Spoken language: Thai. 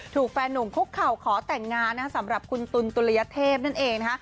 แฟนหนุ่มคุกเข่าขอแต่งงานสำหรับคุณตุลตุลยเทพนั่นเองนะคะ